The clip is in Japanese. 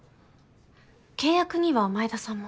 契約には前田さんも？